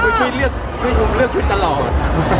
ไม่ค่อยเลือกชุดตลอด